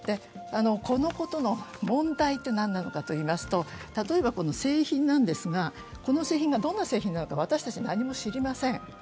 このことの問題は何なのかといいますと、例えば製品なんですが、この製品がどんな製品なのか私たちは何も知りません。